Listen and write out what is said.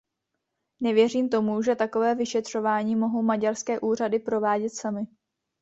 Nevěřím tomu, že takové vyšetřování mohou maďarské úřady provádět samy.